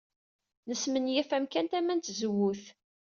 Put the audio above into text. Nesmenyaf amkan tama n tzewwut.